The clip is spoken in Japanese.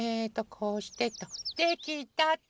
こうしてと。できたっと。